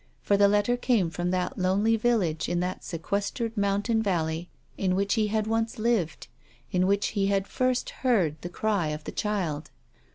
For the letter came from that lonely village in that sequestered mountain valley in which he had once lived, in which he had first heard the cry of the child.